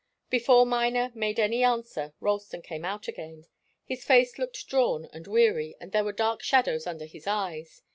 Before Miner made any answer, Ralston came out again. His face looked drawn and weary and there were dark shadows under his eyes.